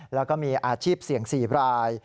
แล้วก็มีอาชีพเสี่ยง๔ราย